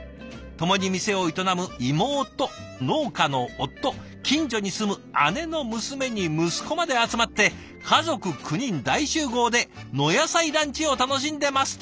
共に店を営む妹農家の夫近所に住む姉の娘に息子まで集まって家族９人大集合で「の野菜ランチ」を楽しんでますとのこと。